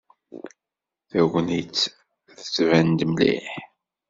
Tagnit tettban-d diri-tt mliḥ.